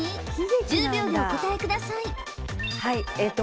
１０秒でお答えくださいはいえっと